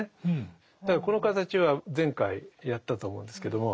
だからこの形は前回やったと思うんですけども。